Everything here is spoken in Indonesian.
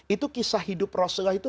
itu kisah hidup rasulullah itu